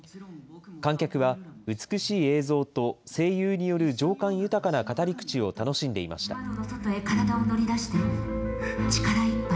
観客は、美しい映像と声優による情感豊かな語り口を楽しんでいました。